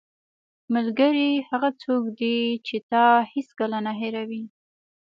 ملګری هغه څوک دی چې تا هیڅکله نه هېروي.